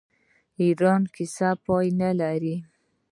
د ایران کیسه پای نلري.